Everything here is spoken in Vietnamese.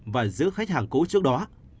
và giữ khách hàng cũ trước đó